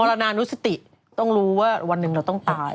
รณานุสติต้องรู้ว่าวันหนึ่งเราต้องตาย